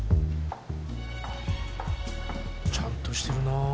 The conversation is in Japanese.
ちゃんとしてるなぁ。